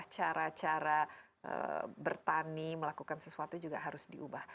cara cara bertani melakukan sesuatu juga harus diubah